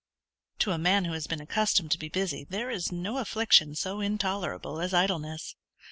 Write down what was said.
To a man who has been accustomed to be busy there is no affliction so intolerable as idleness.